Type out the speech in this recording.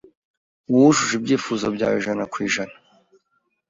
uwujuje ibyifuzo byawe ijana ku ijana